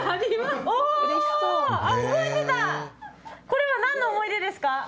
これは何の想い出ですか？